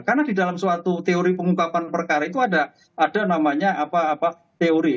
karena di dalam suatu teori pengungkapan perkara itu ada namanya teori